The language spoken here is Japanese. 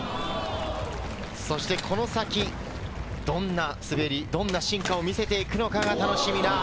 そしてこの先、どんな滑り、どんな進化を見せていくのかが楽しみな。